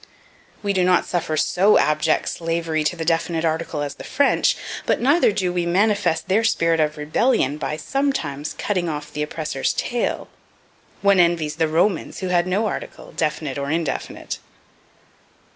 We do not suffer so abject slavery to the definite article as the French, but neither do we manifest their spirit of rebellion by sometimes cutting off the oppressor's tail. One envies the Romans, who had no article, definite or indefinite.